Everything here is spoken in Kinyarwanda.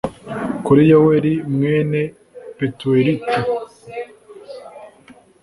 Kuri yoweli mwene petuweriti